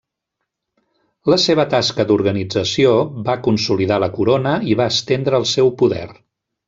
La seva tasca d'organització va consolidar la corona i va estendre el seu poder.